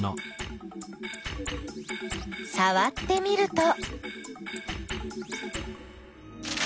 さわってみると。